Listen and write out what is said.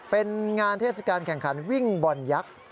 เป็นงานเทศกาลแข่งขันวิ่งบอลยักษ์